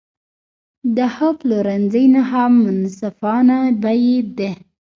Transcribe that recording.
د ښه پلورنځي نښه منصفانه بیې دي.